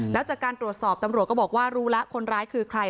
แล้วจากการตรวจสอบตำรวจก็บอกว่ารู้แล้วคนร้ายคือใคร